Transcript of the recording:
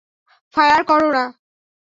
Fire করো না!